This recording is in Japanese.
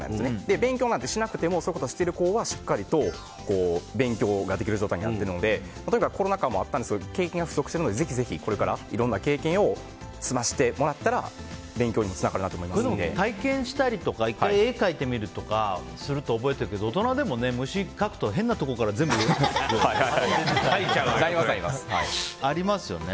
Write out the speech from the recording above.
勉強なんてしなくてもそういうことを知っている子は勉強ができる状態になっているので例えばコロナ禍もあったんですけど経験が不足しているのでぜひぜひこれからいろんな経験を積ませてもらったら１回体験するとか１回絵を描いてみると覚えたりするけど大人でも虫描いてみると変なところから足が。ありますよね。